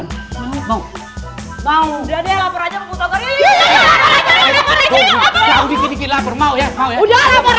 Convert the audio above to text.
nggak mau kok mereka